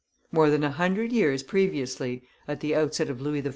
More than a hundred years previously, at the outset of Louis XIV.